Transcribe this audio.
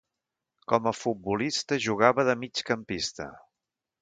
Com a futbolista jugava de migcampista.